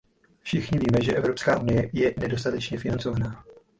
Všichni víme, že Evropská unie je nedostatečně financovaná.